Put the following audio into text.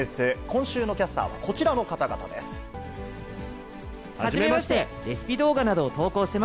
今週のキャスターはこちらの方々はじめまして。